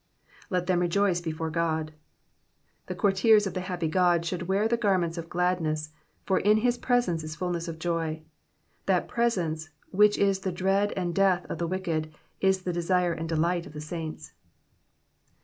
^^Let them rejoice before Ood,''^ The courtiers of the happy God should wear the garments of gladness, for in his presence is fulness of joy. That presence, which is the dread and death of the wicked, is the desire and delight of the saints.